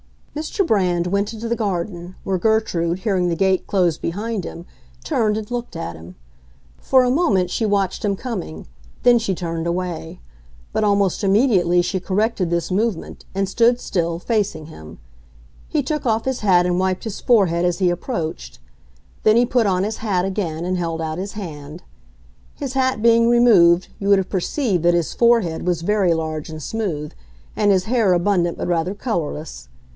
Mr. Brand went into the garden, where Gertrude, hearing the gate close behind him, turned and looked at him. For a moment she watched him coming; then she turned away. But almost immediately she corrected this movement, and stood still, facing him. He took off his hat and wiped his forehead as he approached. Then he put on his hat again and held out his hand. His hat being removed, you would have perceived that his forehead was very large and smooth, and his hair abundant but rather colorless.